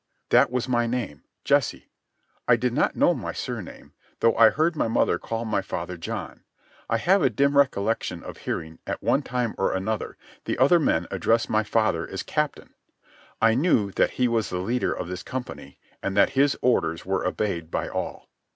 That was my name, Jesse. I did not know my surname, though I heard my mother call my father John. I have a dim recollection of hearing, at one time or another, the other men address my father as Captain. I knew that he was the leader of this company, and that his orders were obeyed by all.